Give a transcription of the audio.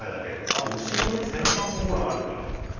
あと後ろね背中もほらあるから。